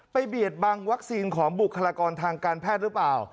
เบียดบังวัคซีนของบุคลากรทางการแพทย์หรือเปล่า